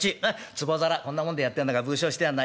つぼ皿こんなもんでやってんのか不精してやんな。